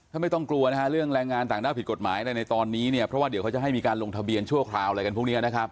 ไม่ต้องกลัวนะฮะเรื่องแรงงานต่างด้าวผิดกฎหมายอะไรในตอนนี้เนี่ยเพราะว่าเดี๋ยวเขาจะให้มีการลงทะเบียนชั่วคราวอะไรกันพวกนี้นะครับ